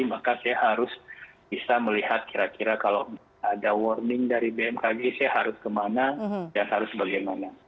maka saya harus bisa melihat kira kira kalau ada warning dari bmkg saya harus kemana dan harus bagaimana